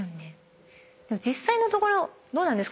実際のところどうなんですかね？